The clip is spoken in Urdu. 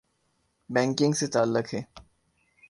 بینکنگ سے تعلق ہے۔